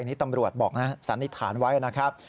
นี่ตำรวจบอกนะสันนิษฐานไว้นะครับ